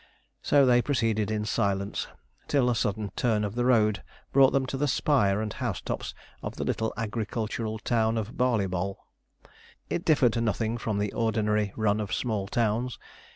So they proceeded in silence, till a sudden turn of the road brought them to the spire and housetops of the little agricultural town of Barleyboll. It differed nothing from the ordinary run of small towns.